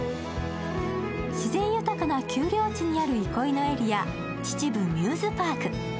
自然豊かな丘陵地にある憩いのエリア、秩父ミューズパーク。